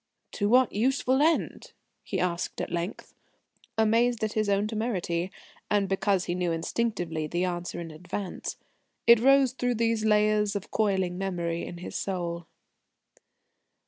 "To what useful end?" he asked at length, amazed at his own temerity, and because he knew instinctively the answer in advance. It rose through these layers of coiling memory in his soul.